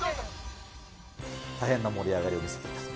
大変な盛り上がりを見せて。